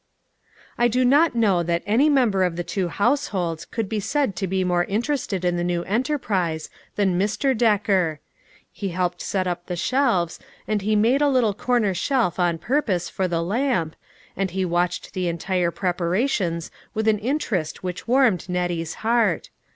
I do not know that any member of the two households could be said to be more interested in the new enterprise than Mr. Decker. He helped set up the shelves, and he made a little corner shelf on purpose for the lamp, and he watched the entire preparations with an interest which warmed Nettie's heart.